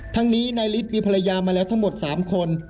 ทั้งนี้นายฤทธิ์มีภรรยามาแล้วทั้งหมด๓คน